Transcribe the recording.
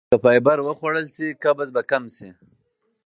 که فایبر وخوړل شي قبض به کمه شي.